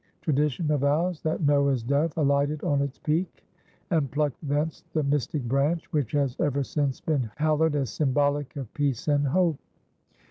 Tradition avows that Noah's dove alighted on its peak, and plucked thence the mystic branch which has ever since been hallowed as symbolic of peace and hope.